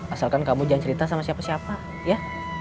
asalkan kamu jangan cerita sama siapa siapa ya